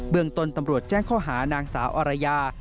เมืองต้นตำรวจแจ้งข้อหานางสาวอรยา